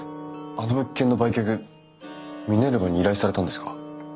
あの物件の売却ミネルヴァに依頼されたんですか？